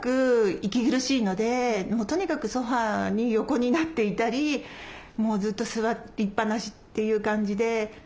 とにかくソファーに横になっていたりもうずっと座りっぱなしっていう感じで。